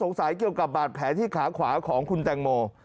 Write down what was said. เกี่ยวกับบาดแผลที่ขาขวาของคุณแตงโม